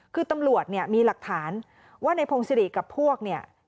คือตำรวจมีหลักฐานว่าในพงศิริภาคฐานราชวงศิริภาคฐานกับพวก